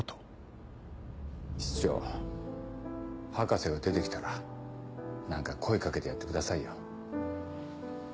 室長博士が出て来たら何か声掛けてやってくださいよ。